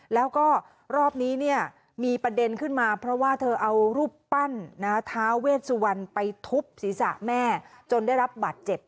แล้วก็รอบนี้เนี่ยมีประเด็นขึ้นมาเพราะว่าเธอเอารูปปั้นท้าเวชสุวรรณไปทุบศีรษะแม่จนได้รับบัตรเจ็บ